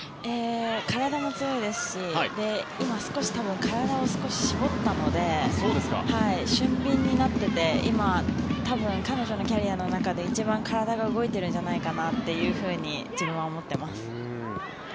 体も強いですし今、少し体を絞ったので俊敏になっていて今、多分、彼女のキャリアの中で一番体が動いているんじゃないかなというふうに自分は思っています。